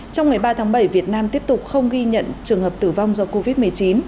trong ngày ba tháng bảy việt nam tiếp tục không ghi nhận trường hợp tử vong do covid một mươi chín